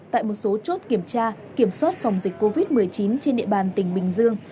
tại một số chốt kiểm tra kiểm soát phòng dịch covid một mươi chín trên địa bàn tỉnh bình dương